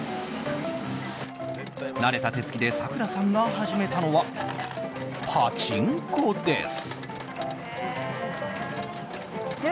慣れた手つきでさくらさんが始めたのはパチンコです。